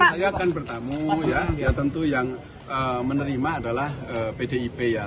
saya akan bertamu ya tentu yang menerima adalah pdip ya